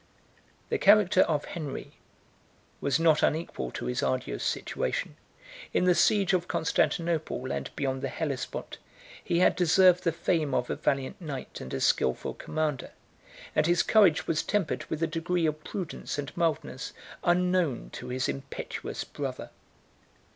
32 The character of Henry was not unequal to his arduous situation: in the siege of Constantinople, and beyond the Hellespont, he had deserved the fame of a valiant knight and a skilful commander; and his courage was tempered with a degree of prudence and mildness unknown to his impetuous brother.